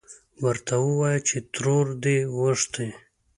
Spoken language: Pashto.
ورته ووايه چې ترور دې غوښتې.